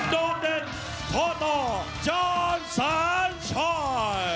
โดนเด็ดทอตอร์จานสันชาย